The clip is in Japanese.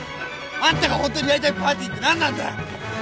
あんたが本当にやりたいパーティーって何なんだ！？